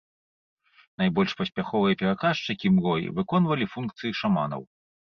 Найбольш паспяховыя пераказчыкі мрой выконвалі функцыі шаманаў.